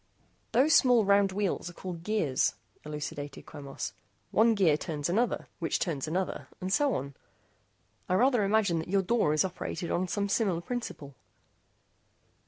"Those small round wheels are called gears," elucidated Quemos, "one gear turns another, which turns another, and so on. I rather imagine that your door is operated on some similar principle."